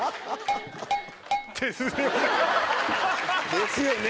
「ですよね」